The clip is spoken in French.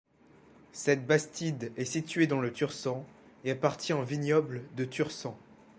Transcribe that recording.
Cette bastide est située dans le Tursan et appartient au vignoble de Tursan.